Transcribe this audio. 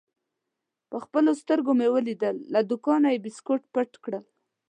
په خپلو سترګو مې ولید: له دوکانه یې بیسکویټ پټ کړل.